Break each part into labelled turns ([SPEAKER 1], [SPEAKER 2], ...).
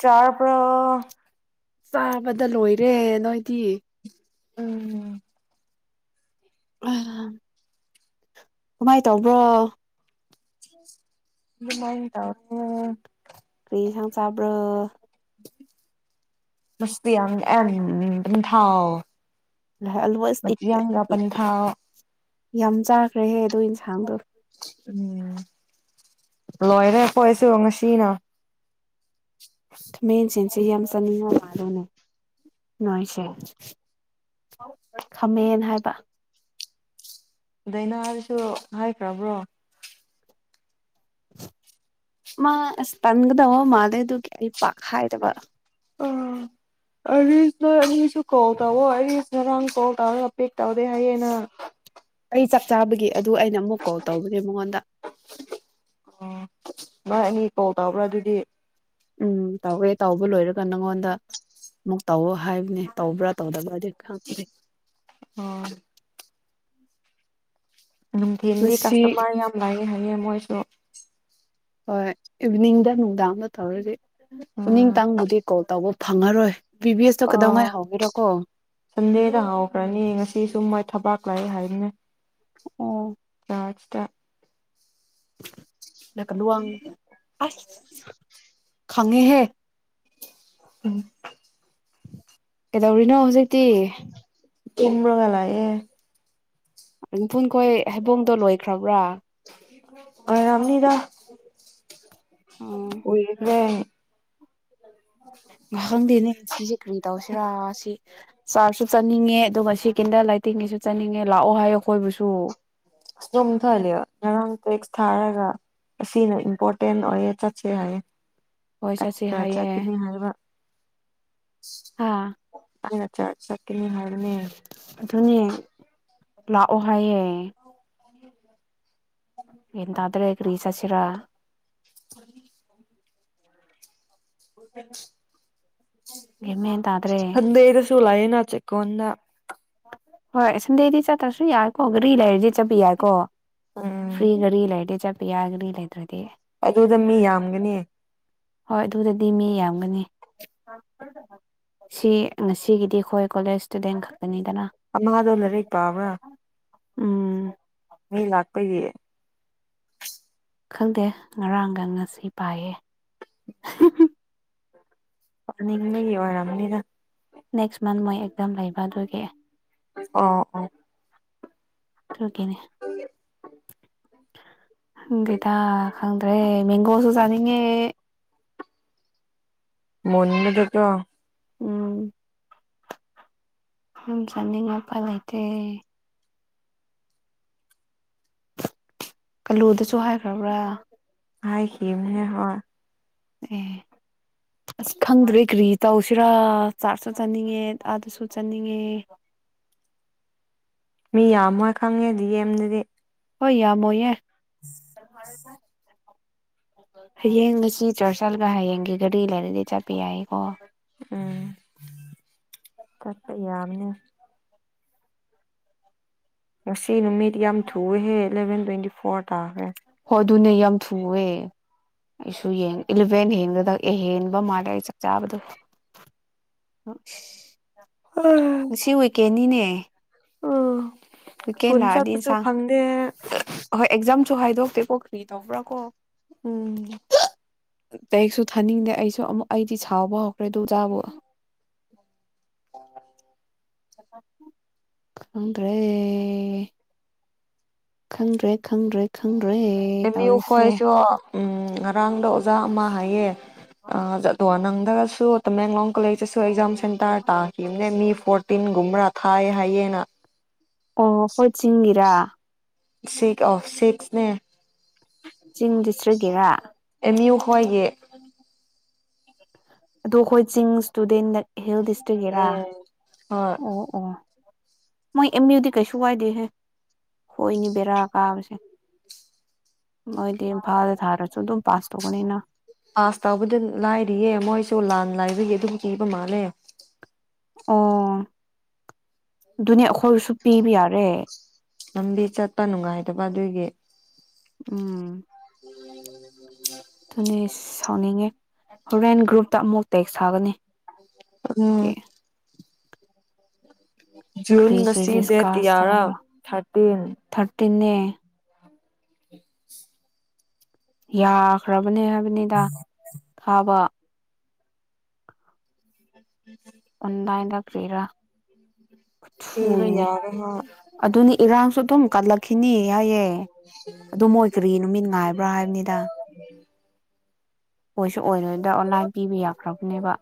[SPEAKER 1] ꯆꯥꯄ꯭ꯔ
[SPEAKER 2] ꯆꯥꯕꯗ ꯂꯣꯏꯔꯦ ꯅꯣꯏꯗꯤ
[SPEAKER 1] ꯎꯝ
[SPEAKER 2] ꯑ ꯀꯃꯥꯏꯅ ꯇꯧꯕ꯭ꯔꯣ
[SPEAKER 1] ꯏꯃꯥꯏ ꯇ
[SPEAKER 2] ꯀꯔꯤꯁꯪ ꯆꯕ꯭ꯔꯣ
[SPEAKER 1] ꯃꯁꯃꯤ ꯊꯥ ꯃꯆꯤ ꯌꯥꯒ ꯄꯟ ꯊꯥ
[SPEAKER 2] ꯌꯥꯝ ꯆꯥꯈ꯭ꯔꯦꯍꯦ ꯑꯗꯨ ꯌꯦꯟꯁꯥꯡꯗꯣ ꯎ
[SPEAKER 1] ꯎꯝ ꯂꯣꯏꯔꯦ ꯐꯣꯏꯁꯨ ꯉꯁꯤꯅ
[SPEAKER 2] ꯃ ꯆ ꯁꯤ ꯌꯥꯝ ꯆꯥꯅꯤꯡꯉ ꯃꯥꯂꯅꯦ ꯅꯣꯏꯁꯦ ꯈꯥꯃꯦꯟ ꯍꯥꯏꯕ
[SPEAKER 1] ꯗꯥꯏꯅꯥꯗꯨꯁꯨ ꯍꯥꯏꯈ꯭ꯔꯕ꯭ꯔꯣ
[SPEAKER 2] ꯃꯥ ꯇꯟꯒꯗꯣ ꯃꯥꯗ ꯇꯨ ꯀꯔꯤ ꯄꯥꯈꯥꯏꯗꯕ
[SPEAKER 1] ꯑ ꯎꯁ ꯎ ꯀꯣꯜ ꯇꯧꯑꯣꯣ ꯍꯥꯏꯗꯤ ꯉꯔꯥꯡ ꯀꯣꯜ ꯇꯧꯔꯒ ꯄꯤꯛ ꯇꯧꯗꯦ ꯍꯥꯏꯌꯦꯦꯅ
[SPEAKER 2] ꯆꯥꯕꯒꯤꯦ ꯑꯗꯨ ꯑꯩꯅ ꯑꯃꯨꯛ ꯀꯣꯜ ꯇꯧꯕꯅꯦ ꯃꯉꯣꯟꯗ
[SPEAKER 1] ꯃꯥꯥꯏ ꯑꯅꯤ ꯀꯣꯜ ꯇꯧꯕ꯭ꯔꯥ ꯑꯗꯨꯗꯤ
[SPEAKER 2] ꯎꯝ ꯇꯧꯋꯦ ꯇꯧꯕ ꯂꯣꯏꯔꯒ ꯅꯪꯉꯣꯟꯗ ꯑꯃꯨꯛ ꯇꯧꯋ ꯍꯥꯏꯕꯅꯦ ꯇꯧꯕ꯭ꯔꯥ ꯇꯧꯗꯕ꯭ꯔꯥꯗꯤ ꯈꯪꯦ
[SPEAKER 1] ꯎꯝ ꯅꯨꯡꯊꯤꯟꯗꯤ
[SPEAKER 2] ꯉꯁꯤ
[SPEAKER 1] ꯀꯁꯇꯃꯔ ꯌꯥꯝ ꯂꯩꯥꯏꯌꯦꯦ ꯍꯥꯏꯪꯉꯦ ꯃꯣꯏꯁꯨ [unintelligible]
[SPEAKER 2] ꯍꯣꯏ ꯏꯚꯤꯅꯤꯡꯗ ꯅꯨꯡꯗꯥꯡ ꯑꯃ ꯇꯧꯔꯁꯤ
[SPEAKER 1] ꯎꯝ
[SPEAKER 2] ꯎꯅꯤꯡꯇꯥꯡꯕꯨꯗꯤ ꯀꯣꯜ ꯇꯧꯕ ꯐꯪꯉꯔꯣꯏ ꯕꯤ ꯕꯤ ꯑꯦꯁꯇꯣ
[SPEAKER 1] ꯑ
[SPEAKER 2] ꯀꯩꯗꯧꯉꯥꯏ ꯍꯧꯒꯦꯔꯀꯣ
[SPEAKER 1] ꯁꯟꯗꯦꯗ ꯍꯥꯎꯈ꯭ꯔꯅꯤ ꯉꯁꯤ ꯁꯨꯝ ꯃꯣꯏ ꯊꯕꯥꯛ ꯥꯏ ꯍꯥꯏꯔꯤꯅꯦ
[SPEAKER 2] ꯑꯣ
[SPEAKER 1] ꯑꯁꯇ
[SPEAKER 2] ꯅ ꯀꯂꯨꯋꯥꯡ ꯑꯁ ꯈꯪꯉꯤꯍꯦ
[SPEAKER 1] ꯎꯝ
[SPEAKER 2] ꯀꯩꯗꯧꯔꯤꯅꯣ ꯍꯧꯖꯤꯛꯇꯤ
[SPEAKER 1] ꯇꯨꯝ꯭ꯔꯣꯒꯂꯌꯦꯦ
[SPEAKER 2] ꯑꯗꯨ ꯄꯨ ꯑꯩꯈꯣꯏ ꯍꯩꯕꯣꯡꯗꯣ ꯂꯣꯏꯈ꯭ꯔꯕ꯭ꯔꯥ
[SPEAKER 1] ꯑꯣꯏꯔꯝꯅꯤꯗ
[SPEAKER 2] ꯎꯝ
[SPEAKER 1] ꯎꯏꯈ꯭ꯔꯦ
[SPEAKER 2] ꯈꯪꯗꯦꯅꯦ ꯁꯤꯁꯦ ꯀꯔꯤ ꯇꯧꯁꯤꯔꯥ ꯁꯤ ꯆꯥꯔꯖꯁꯨ ꯆꯠꯅꯤꯡꯉꯦ ꯑꯗꯨꯒ ꯁꯤ ꯀꯤꯟꯗꯜ ꯂꯥꯏꯇꯤꯡꯉꯁꯨ ꯆꯠꯅꯤꯡꯉꯦ ꯂꯥꯛꯑꯣ ꯍꯥꯏ ꯑꯩꯈꯣꯏꯕꯨꯁꯨ
[SPEAKER 1] ꯑ ꯑꯗꯨꯨꯝꯊꯍꯜꯂꯦꯕ ꯉꯔꯥꯡ ꯇꯦꯛꯁ ꯊꯥꯔꯒ ꯑꯁꯤꯅ ꯏꯝꯄꯣꯔꯇꯦꯟ ꯑꯣꯏꯌꯦꯦ ꯆꯠꯁꯦ ꯍꯥꯏꯌꯦ
[SPEAKER 2] ꯍꯣꯏ
[SPEAKER 1] ꯑꯩ
[SPEAKER 2] ꯆꯠꯁꯤ
[SPEAKER 1] ꯆꯔꯆ
[SPEAKER 2] ꯍꯥꯏꯌꯦ
[SPEAKER 1] ꯆꯠꯀꯅꯤ ꯍꯥꯏꯕ
[SPEAKER 2] ꯍꯥꯥ
[SPEAKER 1] ꯑꯆꯥꯠꯆꯥ ꯀ ꯍꯔꯅꯤ ꯍꯥꯏ
[SPEAKER 2] ꯂꯥꯛꯑꯣꯍꯌꯦꯦ
[SPEAKER 1] ꯑ
[SPEAKER 2] ꯌꯦꯗ꯭ꯔꯦ ꯄꯈ꯭ꯔꯤ ꯆꯆꯔꯥ
[SPEAKER 1] ꯊ ꯑ
[SPEAKER 2] ꯒ꯭ꯌꯥꯟ ꯃꯦꯟ ꯇꯥꯗ꯭ꯔꯦ
[SPEAKER 1] ꯊꯗꯗ ꯁꯨꯂꯏ ꯅꯅꯥꯆꯀ ꯀꯟꯅ
[SPEAKER 2] ꯍꯣꯏ ꯁꯟꯗꯦꯗꯤ ꯆꯠꯇ꯭ꯔꯁꯨ ꯌꯥꯏꯀꯣ ꯒꯥꯔꯤ ꯂꯩꯔꯗꯤ ꯆꯠꯄ ꯌꯥꯏꯀꯣ
[SPEAKER 1] ꯎꯝ
[SPEAKER 2] ꯐꯔꯤꯒꯔꯤ ꯂꯥꯏꯦ ꯆꯠ ꯌꯥꯒꯂ ꯂꯩꯗ꯭ꯔꯦ
[SPEAKER 1] ꯑꯗꯨꯗ ꯃꯤ ꯌꯥꯝꯒꯅꯤ
[SPEAKER 2] ꯍꯣꯏ ꯑꯗꯨꯗꯗꯤ ꯃꯤ ꯌꯥꯝꯒꯅꯤ ꯁꯤ ꯉꯁꯤꯒꯤꯗꯤ ꯑꯩꯈꯣꯏ ꯀꯣꯂꯦꯖ ꯏꯁꯇꯨꯗꯦꯟ ꯈꯛꯇ
[SPEAKER 1] ꯑꯃ ꯑꯗꯣꯅꯔꯦ ꯄꯕꯅꯥ
[SPEAKER 2] ꯎꯝ
[SPEAKER 1] ꯃꯤ ꯂꯥꯛꯄꯒꯤꯌꯦ
[SPEAKER 2] ꯈꯪꯗꯦ ꯉꯔꯥꯡꯒ ꯉꯁꯤ ꯄꯥꯏꯌꯦ
[SPEAKER 1] ꯅꯤꯡꯒꯤ ꯋꯥꯔꯝꯅꯤꯗ
[SPEAKER 2] ꯅꯦꯛꯁ ꯃꯟ ꯃꯣꯏ ꯑꯦꯛꯗꯝꯝ ꯂꯩꯕ ꯑꯗꯨꯒꯤ
[SPEAKER 1] ꯑ ꯑ
[SPEAKER 2] ꯊꯀꯤꯦꯅꯦ ꯗꯤꯦꯗ ꯈꯪꯗ꯭ꯔꯦ ꯃꯦꯡꯒꯣꯁꯨꯖꯥꯅꯤ ꯑ
[SPEAKER 1] ꯃꯅꯗꯀꯣ
[SPEAKER 2] ꯎꯝ ꯑꯗꯨꯝ ꯆꯅꯤꯡꯉꯄꯥ ꯂꯩꯇꯦ ꯑꯂꯨꯗꯁꯨ ꯍꯥꯏꯈ꯭ꯔꯕ꯭ꯔꯥ
[SPEAKER 1] ꯍꯥꯏꯥꯏ ꯍꯝ ꯍꯦ ꯍ
[SPEAKER 2] ꯑꯦ ꯑꯁ ꯈꯪꯗ꯭ꯔꯦ ꯀꯔꯤ ꯇꯧꯁꯤꯔꯥ ꯆꯥꯔꯁꯨ ꯆꯠꯅꯤꯡꯉꯦ ꯑꯥꯗꯁꯨ ꯆꯠꯅꯤꯡꯉꯦ
[SPEAKER 1] ꯃꯤ ꯌꯥꯝꯃꯣꯏ ꯈꯪꯉꯦꯗꯤ ꯌꯦꯦꯝꯗꯗꯤ
[SPEAKER 2] ꯍꯣꯏ ꯌꯥꯝꯃꯣꯌꯦꯦ ꯀꯚꯔ ꯍꯌꯦꯡ ꯉꯁꯤ ꯆꯔꯆꯜꯒ ꯍꯌꯦꯡꯒꯤ ꯒꯥꯔꯤ ꯂꯩꯔꯗꯤ ꯆꯠꯄ ꯌꯥꯏꯀꯣ
[SPEAKER 1] ꯎꯝ ꯀꯄ ꯌꯥꯕꯅꯦ ꯃꯁꯤꯁꯤ ꯅꯨꯃꯤꯠ ꯌꯥꯝ ꯊꯨꯍꯦ ꯑꯦꯂꯚꯦꯟ ꯇ꯭ꯋꯦꯟꯤ ꯐꯣꯔ ꯇꯦ
[SPEAKER 2] ꯑꯗꯨꯅ ꯌꯥꯝ ꯊꯨꯑꯦ ꯑꯩꯁꯨ ꯌꯦꯡ ꯏꯂꯚꯦꯟ ꯍꯦꯟꯒꯗ ꯑꯦ ꯍꯦꯟꯕ ꯃꯥꯗ ꯑꯩ ꯆꯠ ꯆꯥꯕꯗꯣ ꯑ ꯉꯁꯤ ꯋꯀꯦꯅꯤꯅꯦ ꯍ
[SPEAKER 1] ꯑꯥ
[SPEAKER 2] ꯦ ꯍ ꯑꯦ ꯁꯨ ꯍꯥꯏꯗꯣꯛꯇꯦꯀꯣ ꯀ꯭ꯔꯤ ꯇꯧꯕ꯭ꯔꯥ ꯀꯣ
[SPEAKER 1] ꯎꯝ
[SPEAKER 2] ꯀꯦꯛꯁꯨ ꯊꯥꯅꯤꯡꯗꯦ ꯑꯩꯁꯨ ꯑꯃꯨꯛ ꯑꯩꯗꯤ ꯁꯥꯎꯕ ꯍꯧꯈ꯭ꯔꯦ ꯑꯗꯨ ꯑꯣꯖꯥꯕꯨ
[SPEAKER 1] ꯑꯣ
[SPEAKER 2] ꯈꯪꯗ꯭ꯔꯦ ꯈꯪꯗ꯭ꯔꯦ ꯈꯪꯗ꯭ꯔꯦ ꯈꯪ ꯦ ꯇꯧꯔꯤꯁꯦ
[SPEAKER 1] ꯎ ꯉꯔꯥꯡꯗ ꯑꯣꯖꯥ ꯑꯃ ꯍꯥꯏ ꯌꯦ ꯑꯉ ꯅꯪꯗꯒꯁꯨ ꯇꯃꯦꯡꯂꯣꯡ ꯀꯣꯂꯦꯖꯇꯁꯨ ꯑꯦꯛꯖꯥꯝ ꯇ ꯇ ꯃꯤ ꯐꯣꯔꯇꯤꯟꯒꯨꯝꯕ꯭ꯔꯥ ꯊꯥꯏꯑ ꯍꯥꯏꯌꯦꯅ
[SPEAKER 2] ꯑꯣ ꯍꯣꯏ ꯆꯤꯡꯒꯤꯔꯥ
[SPEAKER 1] ꯁꯤ ꯑ ꯁꯤꯠꯁꯅꯦ
[SPEAKER 2] ꯆꯤꯡ ꯗꯤꯁꯇ꯭ꯔꯤꯛꯀꯤꯔꯥ
[SPEAKER 1] ꯃꯣꯏꯒꯤ
[SPEAKER 2] ꯑꯗꯣ ꯑꯩꯈꯣꯏ ꯆꯤꯡ ꯏꯁꯇꯨꯗꯦꯟ ꯍꯦꯜꯗꯤꯁꯇꯛ ꯏꯔꯥ
[SPEAKER 1] ꯎꯝ ꯍꯣꯏ
[SPEAKER 2] ꯑꯣ ꯑꯣ ꯃꯣꯏ ꯑꯦꯝ ꯌꯨꯗꯤ ꯀꯩꯁꯨ ꯀꯏꯗꯦꯍꯦ ꯈꯣꯏꯅꯤ ꯕꯦꯔꯥ ꯀꯥꯕꯁꯦ ꯃꯣꯏꯗꯤ ꯏꯝꯐꯥꯜꯗ ꯊꯥꯔꯁꯨ ꯑꯗꯨꯝ ꯄꯥꯁ ꯇꯧꯕꯅꯤꯅ
[SPEAKER 1] ꯑꯥꯁ ꯇꯥꯎꯕꯗ ꯂꯥꯏꯔꯤꯌꯦ ꯃꯣꯏꯁꯨ ꯂꯥꯟ ꯂꯥꯏꯕꯒꯤ ꯑꯗꯨꯝ ꯀꯤꯕ ꯃꯥꯜꯂꯦ
[SPEAKER 2] ꯑꯣ ꯑꯗꯨꯅꯦ ꯑꯩꯈꯣꯏꯁꯨ ꯄꯤꯕ ꯌꯥꯔꯦ
[SPEAKER 1] ꯂꯝꯕꯤ ꯆꯠꯄ ꯅꯨꯡꯉꯥꯏꯇꯕ ꯑꯗꯨꯒꯤ
[SPEAKER 2] ꯎꯝ ꯁꯥꯎꯅꯤꯡꯉꯦ ꯍꯣꯔꯦꯟ ꯒ꯭ꯔꯨꯞꯇ ꯑꯃꯨ ꯇꯦꯛ ꯁꯥꯒꯅꯤ
[SPEAKER 1] ꯎꯝ ꯖꯨꯟ
[SPEAKER 2] ꯀꯔꯤ ꯀꯔꯤ
[SPEAKER 1] ꯉꯁꯤ ꯗꯦꯠ
[SPEAKER 2] ꯗꯤꯁꯀꯥꯁ
[SPEAKER 1] ꯌꯥꯔꯥ
[SPEAKER 2] ꯇꯧꯕ꯭ꯔꯥ
[SPEAKER 1] ꯊꯥꯔꯇꯤꯟ
[SPEAKER 2] ꯊꯥꯔꯇꯤꯟꯅꯦ ꯌꯥꯈꯔ ꯊꯕꯅꯦ ꯍꯥꯏꯕꯅꯤꯗ ꯊꯥꯕ
[SPEAKER 1] ꯎꯝꯝ
[SPEAKER 2] ꯑꯣꯟꯗꯥꯏꯟꯗ ꯀ꯭ꯔꯤꯔꯥ
[SPEAKER 1] ꯄꯤꯕ
[SPEAKER 2] ꯊꯨꯏꯅꯦ
[SPEAKER 1] ꯌꯥꯔꯦ ꯍꯣꯏ
[SPEAKER 2] ꯑꯗꯨꯅꯤ ꯏꯔꯥꯡꯁꯨ ꯑꯗꯨꯝ ꯀꯠꯂꯛꯈꯤꯅꯤ ꯌꯥꯏꯑꯦ ꯑꯗꯨ ꯃꯣꯏ ꯀꯔꯤ ꯅꯨꯃꯤꯠ ꯉꯥꯏꯕ꯭ꯔꯥ ꯍꯥꯏꯕꯅꯤꯗ ꯑꯣꯏꯣꯏꯁꯨ ꯑꯣꯏꯔꯣꯏꯗ꯭ꯔ ꯑꯣꯟꯂꯥꯏꯟ ꯄꯤꯕ ꯌꯥꯈ꯭ꯔꯕꯅꯦꯕ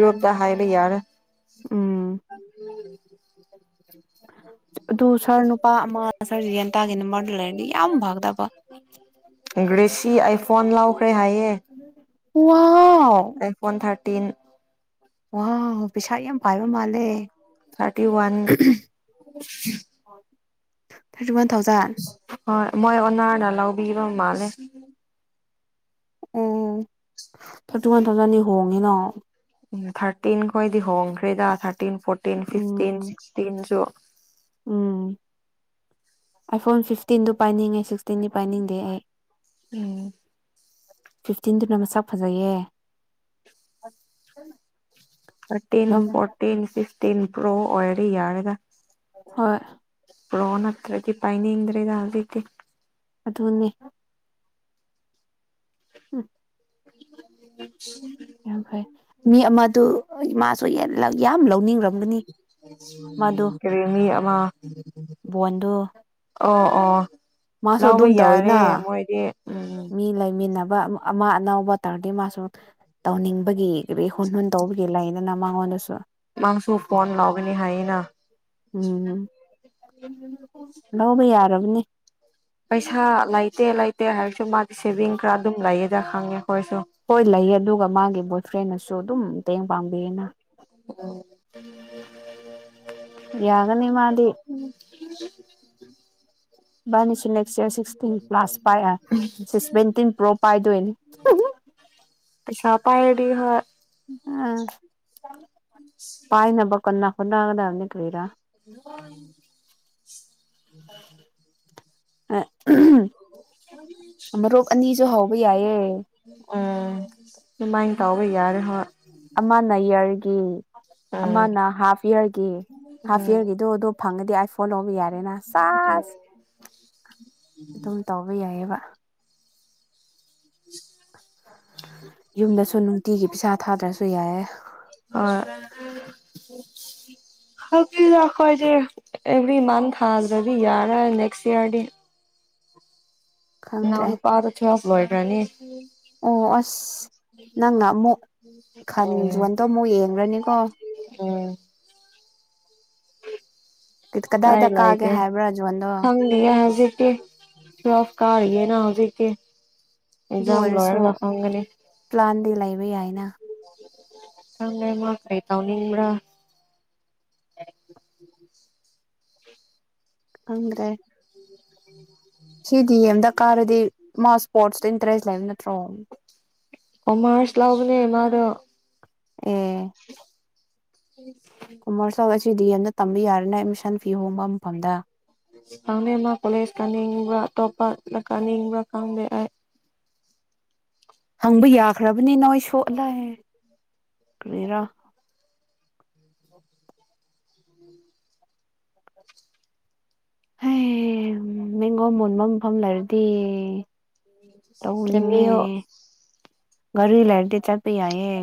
[SPEAKER 1] ꯑꯣꯗ ꯍꯥꯏ ꯂꯩ ꯌꯔ
[SPEAKER 2] ꯎꯝ ꯑꯗꯨ ꯁꯔ ꯅꯨꯄꯥ ꯑꯃ ꯁꯥꯔ ꯖꯤꯌꯥꯟꯇꯥꯒꯤ ꯅꯝꯕꯔꯗꯨ ꯂꯩꯔꯗꯤ ꯌꯥꯝ ꯐꯒꯗꯕ
[SPEAKER 1] ꯏꯦꯁꯤ ꯑ ꯐꯣꯟ ꯂꯥꯎ ꯐꯔꯩ ꯍꯥꯏꯌꯦ
[SPEAKER 2] ꯋꯥ
[SPEAKER 1] ꯑꯦ ꯐꯣꯟ ꯊꯥꯔꯇ ꯇꯤꯟ
[SPEAKER 2] ꯑꯣ ꯄꯁꯥ ꯌꯥꯝ ꯄꯥꯏꯕ ꯃꯥꯜꯦ ꯄ꯭ꯂꯦ
[SPEAKER 1] thirty one
[SPEAKER 2] thirty one thousand
[SPEAKER 1] ꯍꯣꯏ ꯃꯣꯏ ꯑꯣꯅꯥꯅ ꯂꯧꯕꯤꯕ ꯃꯥꯜꯂꯦ
[SPEAKER 2] ꯎꯝ ꯊꯥꯔꯇꯤ ꯋꯥꯟ ꯊꯥꯎꯖꯟꯗꯤ ꯍꯣꯡꯉꯤꯅꯣ
[SPEAKER 1] ꯎ ꯊꯥꯔꯇꯤꯟ ꯈꯣꯏꯗꯤ ꯍꯣꯡꯈ꯭ꯔꯦꯗ ꯊꯥꯔ ꯐꯇ ꯐꯣꯔꯇ ꯐꯇ
[SPEAKER 2] ꯎꯝ
[SPEAKER 1] ꯁꯤꯇꯁꯨ
[SPEAKER 2] ꯎꯝ ꯑꯩ ꯐꯣꯟ ꯐꯤꯐꯇꯤꯟꯗꯨ ꯄꯥꯏꯅꯤꯡꯉꯦ ꯁꯤꯛꯁꯇꯤꯟꯗꯤ ꯄꯥꯏꯅꯤꯡꯗꯦ ꯑꯩ
[SPEAKER 1] ꯎꯝ
[SPEAKER 2] ꯐꯤꯐꯇꯤꯟꯗꯨꯅ ꯃꯁꯛ ꯐꯖꯩꯌꯦ
[SPEAKER 1] ꯊꯔꯇꯤꯟ
[SPEAKER 2] ꯌꯥꯝ
[SPEAKER 1] ꯐꯣꯔꯇꯤꯟ ꯐꯇ ꯇꯤꯟ ꯄ꯭ꯔꯣ ꯑꯣꯔꯔ ꯌꯥꯔꯒ
[SPEAKER 2] ꯍꯣꯏ
[SPEAKER 1] ꯄꯣꯟꯠꯇ꯭ꯔꯗꯤ ꯄꯥꯏꯅꯤ ꯏꯗ꯭ꯔꯦꯗꯜꯗꯗꯤ
[SPEAKER 2] ꯑꯗꯨꯅꯦ ꯎꯝ
[SPEAKER 1] [unintelligible]
[SPEAKER 2] ꯌꯥꯝ ꯐꯩ ꯃꯤ ꯑꯃꯗꯨ ꯃꯥꯁꯨ ꯌꯥꯝ ꯂꯧꯅꯤꯡꯈ꯭ꯔꯕ
[SPEAKER 1] ꯀꯔꯤ ꯃꯤ ꯑꯃ
[SPEAKER 2] ꯕꯣꯟꯗꯣ
[SPEAKER 1] ꯑꯣ ꯑꯣ
[SPEAKER 2] ꯃꯥꯁꯨ
[SPEAKER 1] ꯂꯥꯎꯕ
[SPEAKER 2] ꯑꯗꯨꯝ
[SPEAKER 1] ꯌꯥꯔꯦ
[SPEAKER 2] ꯇꯧꯋꯤꯅ
[SPEAKER 1] ꯃꯣꯏꯗꯤ ꯎꯝ
[SPEAKER 2] ꯃꯤ ꯂꯩꯃꯤꯟꯅ ꯑꯃ ꯑꯅꯕ ꯇꯥꯔꯗꯤ ꯃꯥꯁꯨ ꯇꯧꯅꯤꯡꯕꯒꯤ ꯏ ꯍꯣꯏ ꯍꯟꯗꯥꯎꯕꯒꯦ ꯂꯩꯥꯏꯅ ꯅ ꯃꯥꯡꯉꯣꯟꯅꯁꯨ
[SPEAKER 1] ꯃꯥꯡꯁꯨ ꯐꯣꯟ ꯂꯥꯎꯒꯅꯤ ꯍꯥꯏꯌꯦꯅ
[SPEAKER 2] ꯎꯝ ꯂꯧꯕ ꯌꯥꯔꯕꯅꯤ
[SPEAKER 1] ꯄꯩꯁꯥ ꯂꯩꯇꯦ ꯑꯠꯇꯦ ꯍꯥꯏꯔꯁꯨ ꯃꯥꯗꯤ ꯁꯦꯚꯤꯡ ꯈꯔ ꯑꯗꯨꯝ ꯂꯩꯌꯦꯗ ꯈꯪꯉꯦ ꯑꯩꯈꯣꯏꯁꯨ
[SPEAKER 2] ꯍꯣꯏ ꯂꯩꯌꯦ ꯑꯗꯨꯒ ꯃꯥꯒꯤ ꯕꯣꯏ ꯐ꯭ꯔꯦꯟꯅꯁꯨ ꯁꯣ ꯑꯗꯨꯝ ꯇꯦꯡ ꯄꯥꯡꯝꯕꯤꯅ
[SPEAKER 1] [unintelligible]
[SPEAKER 2] ꯌꯥꯒꯅꯤ ꯃꯥꯗꯤ ꯕꯥꯅꯤꯁꯤ ꯅꯦꯛꯁ ꯏꯌꯥꯔ ꯁꯤꯛꯁꯇꯤꯟ ꯄ꯭ꯂꯥꯁ ꯄꯥꯏꯑ ꯁꯤ ꯁꯚꯦꯟꯇꯤꯟ ꯄ꯭ꯔꯣ ꯄꯥꯏꯗꯣꯏꯅꯤ
[SPEAKER 1] ꯄꯥꯏꯔꯤ ꯍ
[SPEAKER 2] ꯎ ꯄꯥꯏꯅꯝꯕ ꯀꯟꯅ ꯈꯨꯟꯅꯥꯒꯗꯅꯤ ꯀꯔꯥ ꯑꯣ ꯃꯔꯣꯛ ꯑꯅꯤꯁꯨ ꯍꯧꯕ ꯌꯥꯏꯑꯦ
[SPEAKER 1] ꯎꯝ ꯑꯗꯨꯃꯥꯏꯅ ꯇꯧꯕ ꯌꯥꯔꯦ ꯍꯣꯏ
[SPEAKER 2] ꯑꯃꯅꯥꯌꯥꯔꯒꯤ
[SPEAKER 1] ꯎꯝ
[SPEAKER 2] ꯑꯃꯅ ꯍꯥꯐ ꯏꯌꯥꯔꯒꯤ
[SPEAKER 1] ꯎꯝ
[SPEAKER 2] ꯍꯥꯐ
[SPEAKER 1] ꯎꯝ
[SPEAKER 2] ꯏꯌꯥꯔꯒꯤꯗꯣ ꯑꯗꯨꯣ ꯐꯪꯉꯗꯤ ꯗ ꯐꯣ ꯂꯧꯕ ꯌꯥꯔꯦꯅ ꯆ ꯑꯗꯨꯝ ꯇꯧꯕ ꯌꯥꯏꯑꯕ ꯌꯨꯝꯗꯁꯨ ꯅꯨꯡꯇꯤꯒꯤ ꯄꯩꯤꯁꯥ ꯊꯥꯗ꯭ꯔꯁꯨ ꯌꯥꯑꯦ
[SPEAKER 1] ꯍꯧꯈꯣꯏꯗꯤ ꯑꯦꯚ꯭ꯔꯤ ꯃꯟꯊ ꯍꯥꯏꯗ꯭ꯔꯗꯤ ꯌꯥꯔ ꯅꯦꯛꯁ ꯏꯌꯥꯔꯗꯤ
[SPEAKER 2] ꯈꯪꯗ꯭ꯔꯦ
[SPEAKER 1] ꯅꯎꯅ ꯄꯥꯔ ꯊ ꯃꯣꯏ ꯄ꯭ꯔꯥꯅꯤ
[SPEAKER 2] ꯑꯣ ꯑꯁ ꯅꯪꯅ ꯑꯃꯨꯛ
[SPEAKER 1] ꯎꯝ
[SPEAKER 2] ꯈꯟꯖꯣꯟꯗꯣ ꯑꯃꯨꯛ ꯌꯦꯡ꯭ꯔꯅꯤꯀꯣ
[SPEAKER 1] ꯎ ꯄꯥꯏ
[SPEAKER 2] ꯀꯗꯥꯏꯗ ꯀꯥꯒꯦ
[SPEAKER 1] ꯂꯥꯛꯑꯒꯦ
[SPEAKER 2] ꯍꯥꯏꯕ꯭ꯔꯥ ꯖꯣꯟꯗꯣ
[SPEAKER 1] ꯈꯪꯅꯤꯖꯤ ꯆꯣꯐ ꯀꯥꯔꯦꯅ ꯍꯧꯖꯤ ꯀ
[SPEAKER 2] ꯑꯗꯨ ꯑꯣꯏꯔꯁꯨ ꯄ꯭ꯂꯥꯟꯗꯤ ꯂꯩꯕ ꯌꯥꯏꯅ
[SPEAKER 1] ꯆꯗꯥꯏ ꯃꯥ ꯀꯔꯤ ꯇꯥꯎꯅꯤ ꯑꯦ
[SPEAKER 2] ꯑꯗ꯭ꯔꯦ
[SPEAKER 1] ꯎ
[SPEAKER 2] ꯁꯤꯗꯤ ꯑꯦꯝꯗ ꯀꯥꯔꯗꯤ ꯃꯥ ꯏꯁꯄꯣꯔꯠꯁꯇ ꯇ꯭ꯔꯁ ꯂꯩꯝ ꯅꯠꯇ꯭ꯔꯣ
[SPEAKER 1] ꯀꯃꯔꯁ ꯂꯥꯎꯕꯅꯦ ꯃꯥꯗꯣ
[SPEAKER 2] ꯎꯝ ꯀꯨꯝꯃꯔ ꯁꯒ ꯁꯤꯗꯤ ꯑꯦꯝꯗ ꯇꯝꯕ ꯌꯥꯔꯦꯅ ꯑꯦꯠꯃꯤꯁꯟ ꯐꯤ ꯍꯣꯡꯕ ꯃꯐꯝꯗ
[SPEAKER 1] ꯑꯅꯦ ꯃꯥ ꯀꯂꯦꯖ ꯀꯅꯤꯡꯕ ꯇꯣꯞ ꯀꯥꯅꯤꯡꯕ ꯀꯥꯝꯂ ꯑꯩ
[SPEAKER 2] ꯍꯪꯕ ꯌꯥꯈ꯭ꯔꯕꯅꯤ ꯅꯣꯏ ꯁꯣꯂꯑꯦ ꯀꯦꯔꯥ ꯑꯣ ꯍꯌꯦ ꯃꯤꯡꯒꯣꯟ ꯃꯨꯟꯕ ꯃꯐꯝ ꯂꯩꯔꯗꯤ
[SPEAKER 1] ꯔꯃꯤꯌꯣ
[SPEAKER 2] ꯒꯥ ꯂꯩꯔꯗꯤ ꯆꯠꯄ ꯌꯥꯏꯌꯦ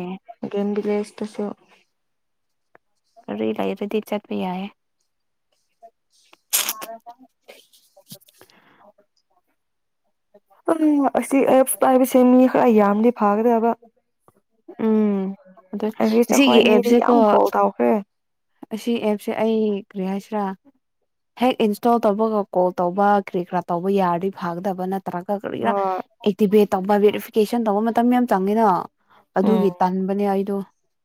[SPEAKER 1] ꯒꯦꯝꯕꯤꯂꯦꯁ ꯇꯁꯨ
[SPEAKER 2] ꯔꯤ ꯂꯩꯔꯗꯤ ꯆꯠꯄꯤ ꯌꯥꯌꯦ
[SPEAKER 1] ꯑꯝ ꯑꯁꯤ ꯑꯁꯤ ꯑꯦ ꯇꯥꯔ ꯄ ꯁꯦꯅꯤ ꯀꯔ ꯌꯥꯝꯗꯤ ꯐꯥꯒ꯭ꯔꯦꯕ
[SPEAKER 2] ꯎꯝ ꯑꯗꯨ
[SPEAKER 1] ꯑꯩꯒꯤ
[SPEAKER 2] ꯑꯁꯤꯒꯤ
[SPEAKER 1] ꯆꯈꯣꯏꯅꯤꯗꯤ
[SPEAKER 2] ꯑꯦꯞꯁꯦꯀꯣ
[SPEAKER 1] ꯌꯥꯝ ꯀꯣꯜ ꯊꯥꯎꯈ꯭ꯔꯦ
[SPEAKER 2] ꯑꯁꯤ ꯑꯦꯞꯁꯦ ꯑꯩ ꯀꯔꯤ ꯍꯥꯏꯁꯤꯔꯥ ꯍꯦꯛ ꯏꯟꯁꯇꯣꯜ ꯇꯧꯕꯒ ꯀꯣꯜ ꯇꯧꯕ ꯀꯔꯤ ꯀꯔꯥ ꯇꯧꯕ ꯌꯥꯔꯗꯤ ꯐꯥꯒꯗꯕ ꯅꯠꯇ꯭ꯔꯥ ꯭ꯔ ꯀ ꯀꯔ
[SPEAKER 1] ꯍꯣꯏ
[SPEAKER 2] ꯏꯗꯤꯕ ꯇꯧꯕ ꯕꯦꯔꯤꯐꯤꯀꯦꯁꯟ ꯇꯧꯕ ꯃꯇꯝ ꯌꯥꯝ ꯆꯪꯉꯤꯅꯣ
[SPEAKER 1] ꯎꯝ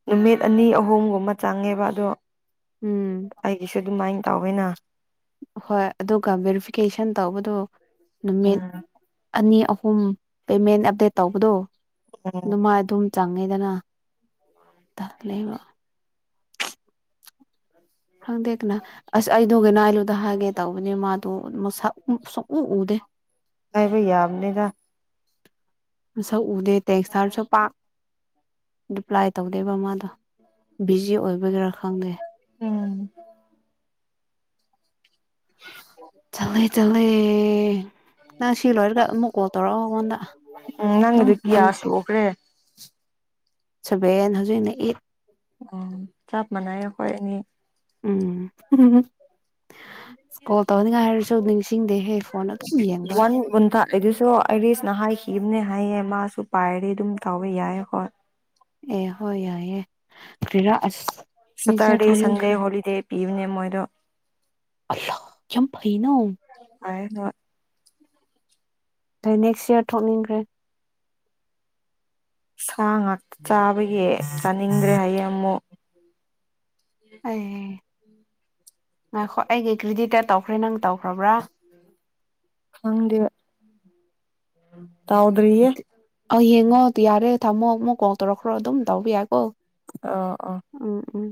[SPEAKER 1] ꯅꯨꯃꯤꯠ ꯑꯅꯤ ꯑꯍꯨꯝꯒꯨꯝꯕ ꯆꯪꯉꯦꯕ ꯑꯗꯣ
[SPEAKER 2] ꯎꯝ
[SPEAKER 1] ꯑꯩꯒꯤꯁꯨ ꯑꯗꯨꯝ ꯃꯥꯏ ꯇꯥꯋꯏꯅ
[SPEAKER 2] ꯍꯣꯏ ꯑꯗꯨꯒ ꯚꯦꯔꯤꯐꯤꯀꯦꯁꯟ ꯇꯧꯕꯗꯨ ꯅꯨꯃꯤꯠ
[SPEAKER 1] ꯎꯝ
[SPEAKER 2] ꯑꯅꯤ ꯑꯨꯝ ꯄꯦꯃꯦꯟ ꯑꯞꯗꯦꯠ ꯇꯧꯕꯗꯣ
[SPEAKER 1] ꯎꯝ
[SPEAKER 2] ꯅꯃꯥꯏ ꯑꯗꯨꯝ ꯆꯪꯉꯦꯗꯅ ꯊꯂꯕ ꯈꯪꯗꯦ ꯀꯅ ꯑꯁ ꯑꯩꯗꯒ ꯅꯥꯏꯂꯨꯗ ꯍꯥꯏꯒꯦ ꯇꯧꯕꯅꯤ ꯃꯥꯗꯣ ꯁꯨꯡꯎ ꯎꯗꯦ
[SPEAKER 1] ꯑꯕꯩ ꯌꯥꯝꯅꯤꯗ
[SPEAKER 2] ꯃꯁꯛ ꯎꯗꯦ ꯇꯦꯛꯁꯇꯔꯁꯨ ꯄꯥꯛ ꯄ꯭ꯂꯥꯏ ꯇꯧꯗꯦꯕ ꯃꯥꯗꯣ ꯕꯤꯖꯤ ꯑꯣꯏꯕꯒꯔꯥ ꯑ ꯈꯪꯒꯦ
[SPEAKER 1] ꯎꯝ
[SPEAKER 2] ꯆꯠꯂꯦ ꯆꯠꯂꯦ ꯅꯪ ꯁꯤ ꯂꯣꯏꯔꯒ ꯑꯃꯨꯛ ꯀꯣꯜ ꯇꯧꯔꯛꯑꯣ ꯑꯩꯉꯣꯟꯗ
[SPEAKER 1] ꯎꯝ
[SPEAKER 2] ꯑꯗꯨꯝ
[SPEAKER 1] ꯅꯪꯒꯤꯗꯨ ꯀꯌꯥ ꯁꯨꯈ꯭ꯔꯦ
[SPEAKER 2] ꯁꯚꯦꯟ ꯍꯧꯖꯤꯛꯅ ꯑꯩꯠ
[SPEAKER 1] ꯑꯣ ꯆꯞ ꯃꯅꯥꯏ ꯍ ꯑꯦꯅꯦ
[SPEAKER 2] ꯎꯝ ꯀꯣꯜ ꯇꯧꯅꯤꯡꯉꯥꯏ ꯍꯥꯏꯔꯁꯨ ꯅꯤꯡꯁꯤꯡꯗꯦꯍꯦ ꯐꯣꯟ ꯑꯗꯨꯝ ꯌꯦꯡꯕ
[SPEAKER 1] ꯋꯥꯟꯨꯟꯊꯗꯤꯁꯨ ꯑꯩꯗꯤꯁ ꯅꯍꯥꯏ ꯌꯅꯦ ꯍꯥꯏꯌꯦ ꯃꯥꯁꯨ ꯄꯥꯏꯔꯤ ꯑꯗꯨꯝ ꯇꯧꯋ ꯌꯥꯏꯀꯣ
[SPEAKER 2] ꯑꯦ ꯍꯣꯏ ꯌꯥꯏ ꯑꯦ ꯀꯔꯤꯔ
[SPEAKER 1] ꯁꯇꯥꯥꯔꯗꯤ ꯁꯟꯗꯦ ꯍꯣꯂꯤ ꯗꯦ ꯄꯤꯕꯅꯦ ꯃꯣꯏꯗꯣ
[SPEAKER 2] ꯑ ꯀꯝ ꯐꯩꯅ
[SPEAKER 1] ꯍꯥꯏꯅ
[SPEAKER 2] ꯑꯩ ꯅꯦꯛꯁ ꯏꯌꯥꯔ ꯊꯣꯛꯅꯤꯡꯈ꯭ꯔꯦ
[SPEAKER 1] ꯐ ꯉꯥꯛ ꯆꯥꯕꯒꯤ ꯅꯤꯡꯗ꯭ꯔꯦ ꯑꯌꯦꯃꯣ
[SPEAKER 2] ꯑꯦ ꯉꯥꯏꯈꯣ ꯑꯩꯒꯤ ꯀ꯭ꯔꯤꯗꯤꯠꯇ ꯇꯧꯈ꯭ꯔꯦ ꯅꯪ ꯇꯧꯈ꯭ꯔꯕ꯭ꯔꯥ
[SPEAKER 1] ꯈꯪꯗꯤ ꯇꯥꯎꯗ꯭ꯔꯤ
[SPEAKER 2] ꯉꯣ ꯌꯥꯔꯦ ꯊꯝꯃꯣ ꯑꯃꯨꯛ ꯀꯣꯜ ꯇꯧꯔꯛꯈ꯭ꯔꯣ ꯑꯗꯨꯝ ꯇꯧꯕ ꯌꯥꯀꯣ
[SPEAKER 1] ꯑꯥ ꯑꯥ
[SPEAKER 2] ꯎꯝ ꯎꯝ